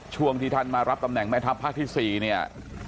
ช่วงที่ท่านมารับตำแหน่งแม่ทัพภาคที่๔เนี่ย